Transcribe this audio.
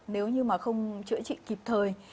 nếu như mà không chữa trị kịp thời